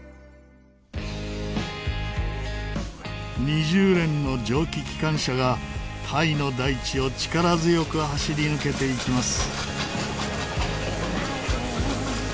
二重連の蒸気機関車がタイの大地を力強く走り抜けていきます。